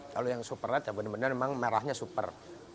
kalau yang super red benar benar merahnya super